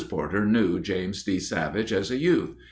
Porter knew James D. Savage as a youth.